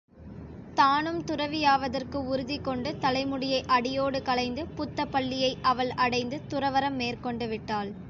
தானும் துறவியாவதற்கு உறுதி கொண்டு தலைமுடியை அடியோடு களைந்து புத்த பள்ளியை அவள் அடைந்து துறவறம் மேற்கொண்டு விட்டாள்.